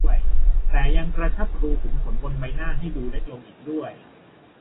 แต่ยังกระชับรูขุมขนบนใบหน้าให้ดูเล็กลงอีกด้วย